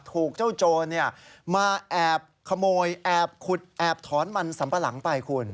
ถูกเจ้าโจรมาแอบขโมยแอบขุดแอบถอนมันสัมปะหลังไปคุณ